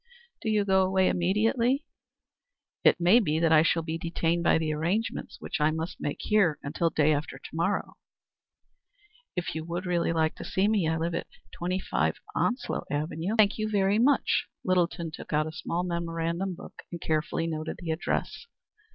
"Do you go away immediately?" "It may be that I shall be detained by the arrangements which I must make here until day after to morrow." "If you would really like to see me, I live at 25 Onslow Avenue." "Thank you very much." Littleton took out a small memorandum book and carefully noted the address.